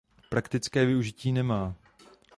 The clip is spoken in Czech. Praktické využití nemá.